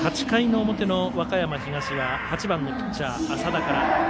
８回の表の和歌山東は８番のピッチャー、麻田から。